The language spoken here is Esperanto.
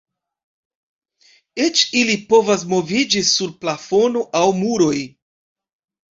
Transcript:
Eĉ ili povas moviĝi sur plafono aŭ muroj.